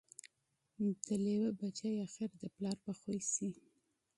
د لېوه بچی آخر د پلار په خوی سي